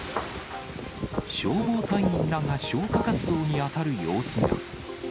消防隊員らが消火活動に当たる様子が。